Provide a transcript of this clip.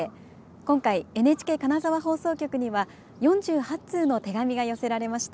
今回ＮＨＫ金沢放送局には４８通の手紙が寄せられました。